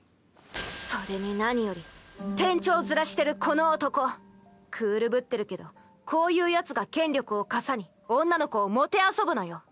それに何より店長面してるこの男クールぶってるけどこういうヤツが権力をかさに女の子を弄ぶのよ！